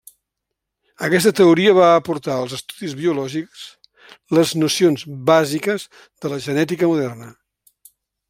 Aquesta teoria va aportar als estudis biològics les nocions bàsiques de la genètica moderna.